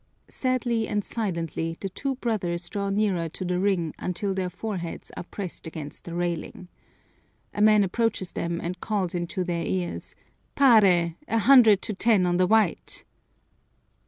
Sadly and silently the two brothers draw nearer to the ring until their foreheads are pressed against the railing. A man approaches them and calls into their ears, "Pare, a hundred to ten on the white!"